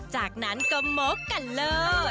จากนั้นก็มกกันเลิศ